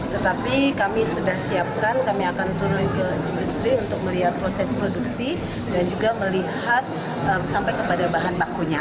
tetapi kami sudah siapkan kami akan turun ke industri untuk melihat proses produksi dan juga melihat sampai kepada bahan bakunya